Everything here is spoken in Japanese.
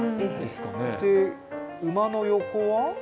馬の横は？